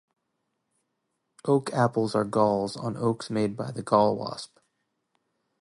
Oak apples are galls on oaks made by the gall wasp.